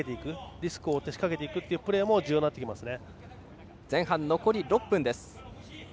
リスクを負って仕掛けていくというプレーも重要になってきますね。